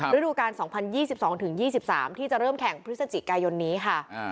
ฤดูการ๒๐๒๒๒๓ที่จะเริ่มแข่งพฤศจิกายนนี้ค่ะ